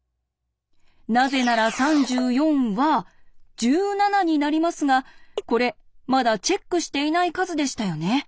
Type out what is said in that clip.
なぜなら３４は１７になりますがこれまだチェックしていない数でしたよね。